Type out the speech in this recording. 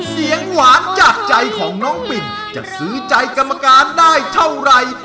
เสียงหวานจากใจของน้องปิ่นจะซื้อใจกรรมการได้เท่าไหร่